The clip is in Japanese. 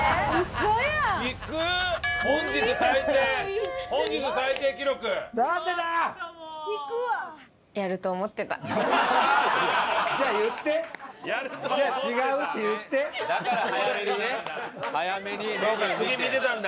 そうか次見てたんだ。